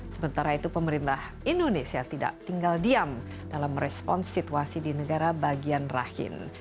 sementara itu pemerintah indonesia tidak tinggal diam dalam merespon situasi di negara bagian rahim